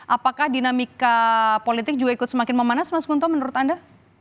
apakah dinamika politik juga ikut semakin memanas mas kunto menurut anda